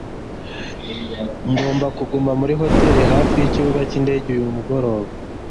Ngomba kuguma muri hoteri hafi yikibuga cyindege uyu mugoroba.